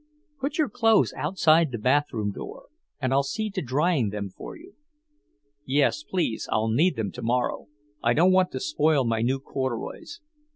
"Put your clothes outside the bathroom door, and I'll see to drying them for you." "Yes, please. I'll need them tomorrow. I don't want to spoil my new corduroys.